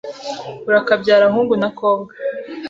urakabyara hungu na kobwa,